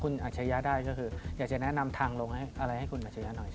คุณอัชริยะได้ก็คืออยากจะแนะนำทางลงอะไรให้คุณอาชริยะหน่อย